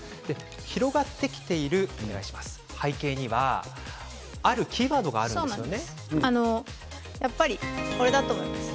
広がってきている背景にはあるキーワードがあるんですよね。